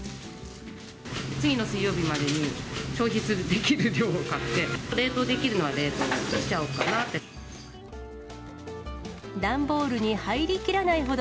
次の水曜日までに消費できる量を買って、冷凍できるものは冷凍しちゃおうかなと。